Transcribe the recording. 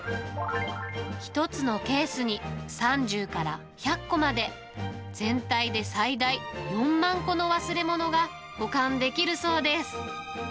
１つのケースに３０から１００個まで、全体で最大４万個の忘れ物が保管できるそうです。